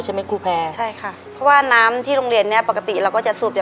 ในแคมเปญพิเศษเกมต่อชีวิตโรงเรียนของหนู